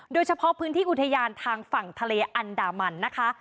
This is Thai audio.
โดยเฉพาะพื้นที่อุทยานทางฝั่งทะเลอันดามันนะคะ